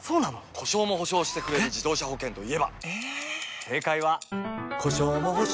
故障も補償してくれる自動車保険といえば？